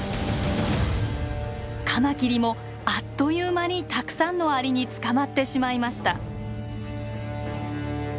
カマキリもあっという間にたくさんのアリに捕まってしまいました。